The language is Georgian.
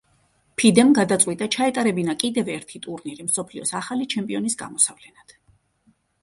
ფიდემ გადაწყვიტა ჩაეტარებინა კიდევ ერთი ტურნირი მსოფლიოს ახალი ჩემპიონის გამოსავლენად.